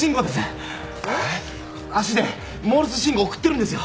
足でモールス信号送ってるんですよ。